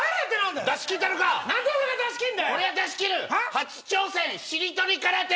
初挑戦、しりとり空手。